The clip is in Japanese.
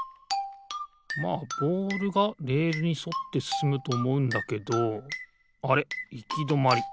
まあボールがレールにそってすすむとおもうんだけどあれっいきどまり。